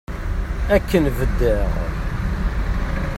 Akken beddeɣ.